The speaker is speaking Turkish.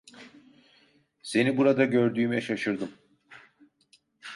Seni burada gördüğüme şaşırdım.